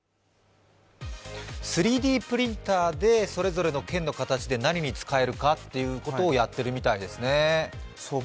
３Ｄプリンターでそれぞれの県の形で何に使えるかということをやっているみたいですね。